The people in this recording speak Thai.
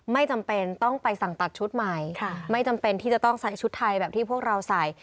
ไม่จำเป็นต้องไปสั่งตัดชุดใหม่ไม่จำเป็นที่จะต้องใส่ชุดไทยแบบที่พวกเราใส่